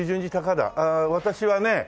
あー私はね